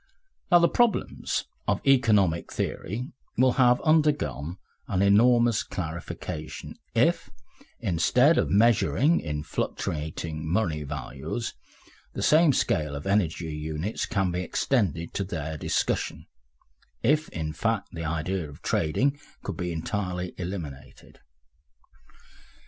Now the problems of economic theory will have undergone an enormous clarification if, instead of measuring in fluctuating money values, the same scale of energy units can be extended to their discussion, if, in fact, the idea of trading could be entirely eliminated.